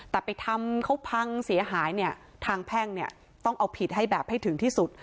แต่ไปทำเขาพังเสียหายเนี่ยทางแพ่งเนี่ยต้องเอาผิดให้แบบให้ถึงที่สุด